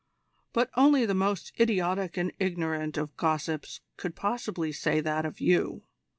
"But only the most idiotic and ignorant of gossips could possibly say that of you.